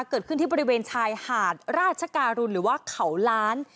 เกิดขึ้นที่บริเวณชายหาดราชการุณหรือว่าเขาล้าน